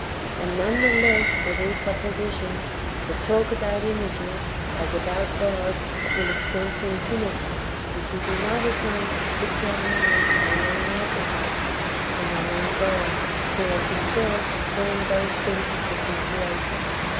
And none the less [for these suppositions], the talk about images, as about gods, w^ill extend to infinity, if we do not at once fix our mind on one Artificer, and on one God, wdio of Him self formed those things which have been created.